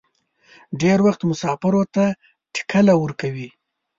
ډېر وخت مسافرو ته ټکله ورکوي.